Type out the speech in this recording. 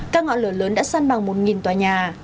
các ngọn lửa lớn đã săn bằng một tòa nhà